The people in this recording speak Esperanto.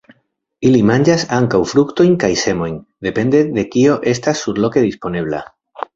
Ili manĝas ankaŭ fruktojn kaj semojn, depende de kio estas surloke disponebla.